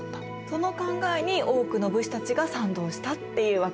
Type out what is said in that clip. その考えに多くの武士たちが賛同したっていうわけですね？